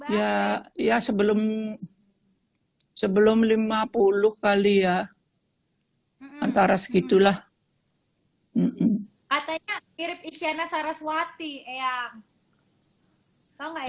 ya ya sebelum sebelum lima puluh kali ya antara segitulah katanya kirim isyana saraswati ya sama ya